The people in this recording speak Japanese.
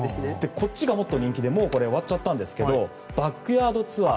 こっちがもっと人気で終わっちゃったんですがバックヤードツアー。